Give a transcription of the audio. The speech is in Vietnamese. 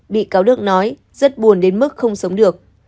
bị cáo đức nói rất buồn đến mức không sống được